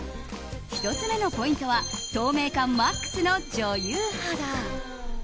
１つ目のポイントは透明感マックスの女優肌。